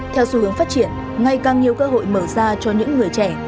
theo xu hướng phát triển ngày càng nhiều cơ hội mở ra cho những người trẻ